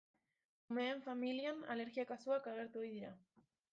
Umeen familian alergia-kasuak agertu ohi dira.